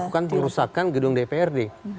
melakukan perusakan gedung dprd